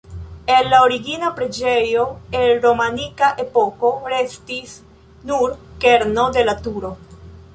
El la origina preĝejo el romanika epoko restis nur kerno de la turo.